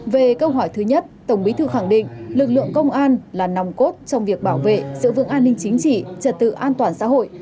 về câu hỏi thứ nhất tổng bí thư khẳng định lực lượng công an là nòng cốt trong việc bảo vệ sự vững an ninh chính trị trật tự an toàn xã hội